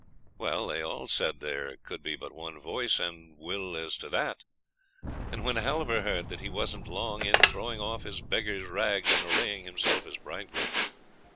Well they all said there could be but one voice and will as to that, and when Halvor heard that he wasn't long in throwing off his beggar's rags, and arraying himself as bridegroom.